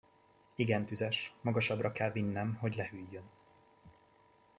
Igen tüzes, magasabbra kell vinnem, hogy lehűljön.